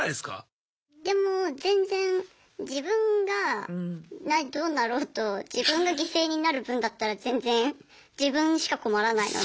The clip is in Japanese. でも全然自分がどうなろうと自分が犠牲になる分だったら全然自分しか困らないので。